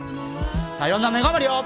４段目頑張るよ。